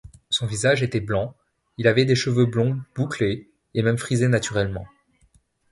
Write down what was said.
Son visage était blanc, il avait des cheveux blonds bouclés et même frisés naturellement.